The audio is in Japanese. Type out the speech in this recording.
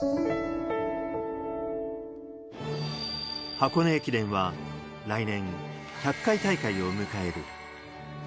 箱根駅伝は来年１００回大会を迎える。